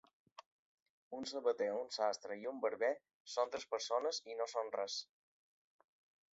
Un sabater, un sastre i un barber són tres persones i no són res.